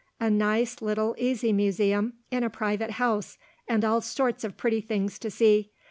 A nice little easy museum in a private house, and all sorts of pretty things to see.